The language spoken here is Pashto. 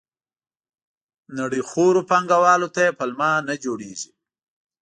نړیخورو پانګوالو ته یې پلمه نه جوړېږي.